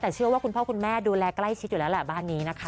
แต่เชื่อว่าคุณพ่อคุณแม่ดูแลใกล้ชิดอยู่แล้วแหละบ้านนี้นะคะ